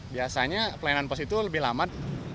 biasanya pelayanan pos itu lebih lambat